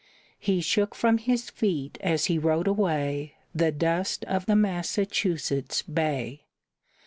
He shook from his feet as he rode away The dust of the Massachusetts Bay.